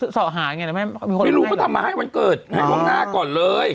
สอหาอย่างเงี้ยแม่ไม่รู้ก็ทำมาให้มันเกิดอ๋อห้องหน้าก่อนเลย